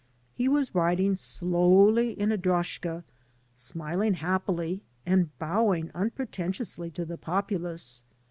He was riding slowly in a droshka, smiling happily, and bowing unpretentiously to the populace.